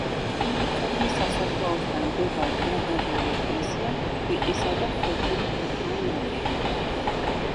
სოფლის სასაფლაოსთან მდებარე დარბაზული ეკლესია რიყისა და ფლეთილი ქვითაა ნაგები.